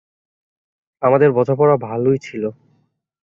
আমাদের বোঝাপড়া ভালই ছিল।